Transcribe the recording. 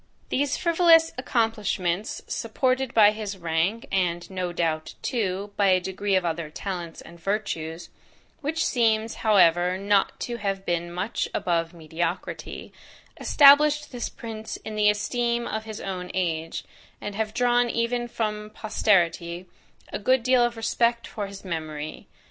These frivolous accomplishments, supported by his rank, and, no doubt, too, by a degree of other talents and virtues, which seems, however, not to have been much above mediocrity, established this prince in the esteem of his own age, and have drawn even from posterity, a good deal of respect for his memory.